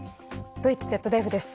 ドイツＺＤＦです。